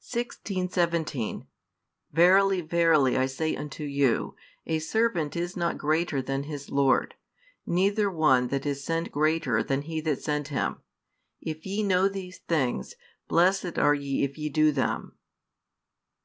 16, 17 Verily, verily, I say unto you, A servant is not greater than his lord; neither one that is sent greater than he that sent him. If ye know these things, blessed are ye if ye do them.